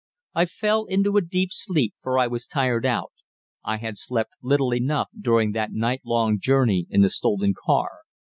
I fell into a deep sleep, for I was tired out; I had slept little enough during that night long journey in the stolen car.